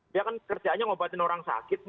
dia kan kerjaannya ngobatin orang sakit